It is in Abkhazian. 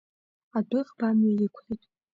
Адәыӷба амҩа иқәлеит.